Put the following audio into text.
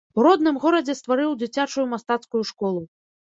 У родным горадзе стварыў дзіцячую мастацкую школу.